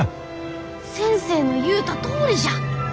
先生の言うたとおりじゃ！